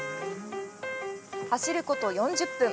走ること４０分。